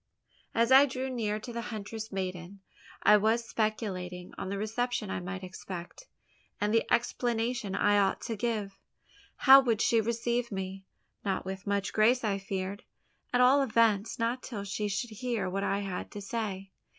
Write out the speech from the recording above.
As I drew near to the huntress maiden, I was speculating on the reception I might expect, and the explanation I ought to give. How would she receive me? Not with much grace, I feared; at all events, not till she should hear what I had to say.